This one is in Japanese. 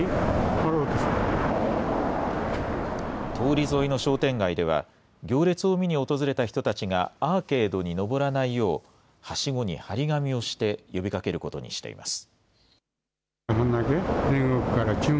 通り沿いの商店街では、行列を見に訪れた人たちがアーケードに登らないよう、はしごに貼り紙をして呼びかけることにしています。